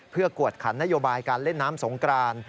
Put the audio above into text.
เพื่อกวดขันนโยบายการเล่นน้ำสงกราน